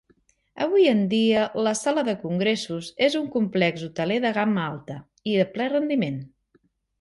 Avui en dia, la sala de congressos és un complex hoteler de gamma alta i de ple rendiment.